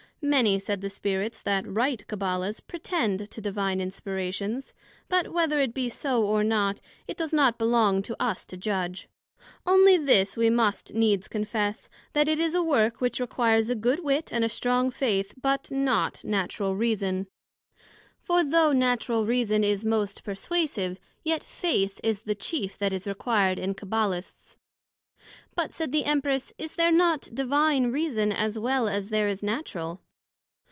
Many, said the Spirits, that write Cabbala's pretend to Divine Inspirations; but whether it be so, or not, it does not belong to us to judg; onely this we must needs confess, that it is a work which requires a good wit, and a strong Faith, but not Natural Reason; for though Natural Reason is most perswasive, yet Faith is the chief that is required in Cabbalists. But, said the Empress, Is there not Divine Reason, as well as there is Natural?